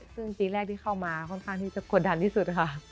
ซึ่งปีแรกที่เข้ามาค่อนข้างที่จะกดดันที่สุดค่ะ